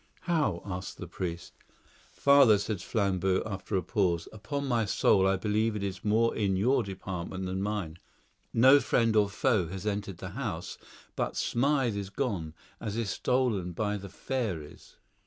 "How?" asked the priest. "Father," said Flambeau, after a pause, "upon my soul I believe it is more in your department than mine. No friend or foe has entered the house, but Smythe is gone, as if stolen by the fairies.